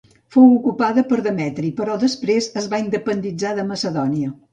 Fou ocupada per Demetri però després es va independitzar de Macedònia.